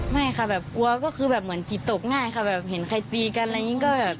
ไม่ค่ะแบบกลัวก็คือแบบเหมือนจิตตกง่ายค่ะแบบเห็นใครตีกันอะไรอย่างนี้ก็แบบ